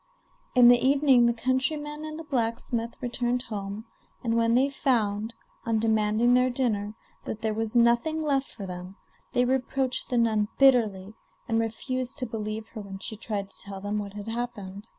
In the evening the countryman and the blacksmith returned home, and when they found, on demanding their dinner, that there was nothing left for them, they reproached the nun bitterly, and refused to believe her when she tried to tell them what had happened.